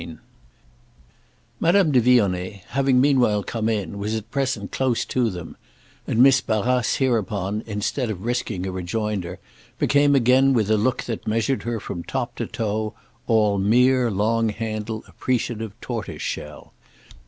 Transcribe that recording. III Madame de Vionnet, having meanwhile come in, was at present close to them, and Miss Barrace hereupon, instead of risking a rejoinder, became again with a look that measured her from top to toe all mere long handled appreciative tortoise shell.